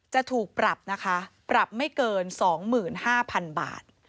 จะถูกปรับนะคะปรับไม่เกิน๒๕๐๐๐บาท